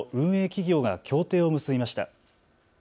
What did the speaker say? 企業が協定を結びました。